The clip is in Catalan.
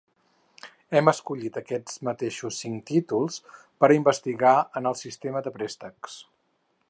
Hem escollit aquests mateixos cinc títols per a investigar en el sistema de préstecs.